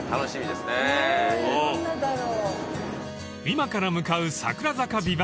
［今から向かうさくら坂